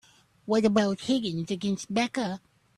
What about Higgins against Becca?